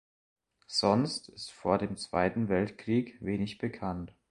Sonst ist vor dem Zweiten Weltkrieg wenig bekannt.